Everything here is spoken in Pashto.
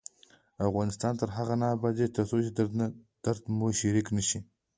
افغانستان تر هغو نه ابادیږي، ترڅو درد مو شریک نشي.